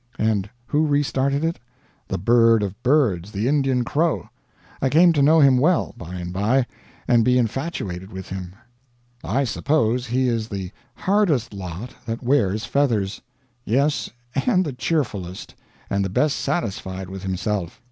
And who re started it? The Bird of Birds the Indian crow. I came to know him well, by and by, and be infatuated with him. I suppose he is the hardest lot that wears feathers. Yes, and the cheerfulest, and the best satisfied with himself.